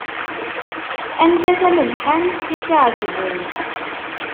Anta tamelḥant i s-iɛeǧben?